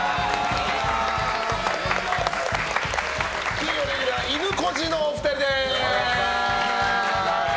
金曜レギュラーいぬこじのお二人です。